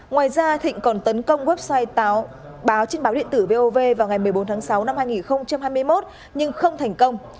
ngoài ra thịnh còn tấn công website báo trên báo điện tử vov vào ngày một mươi bốn tháng sáu năm hai nghìn hai mươi một nhưng không thành công